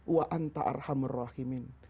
wa anta arhamur rahimin